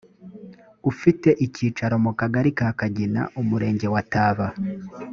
ufite icyicaro mu kagari ka kagina umurenge wa taba